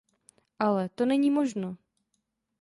Ale… to není možno!